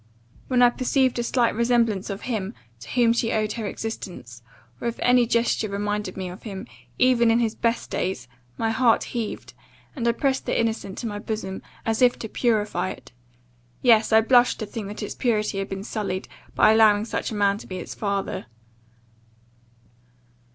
when I perceived a slight resemblance of him, to whom she owed her existence; or, if any gesture reminded me of him, even in his best days, my heart heaved, and I pressed the innocent to my bosom, as if to purify it yes, I blushed to think that its purity had been sullied, by allowing such a man to be its father.